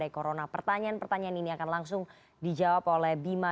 saat malam mas bima